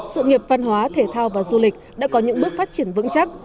sự nghiệp văn hóa thể thao và du lịch đã có những bước phát triển vững chắc